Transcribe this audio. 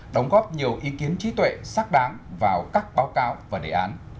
đóng góp nhiều ý kiến trí tuệ xác đáng vào các báo cáo và đề án